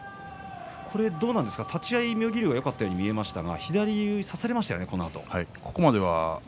立ち合い妙義龍がよかったように見えましたが左、差されましたよね。